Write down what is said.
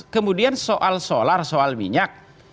kemudian soal solar soal minyak